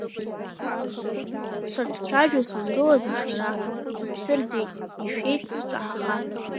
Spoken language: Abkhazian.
Саҿцәажәо сангылаз Ашара, рыԥсы рӡеит, ишәеит сҿаҳахар.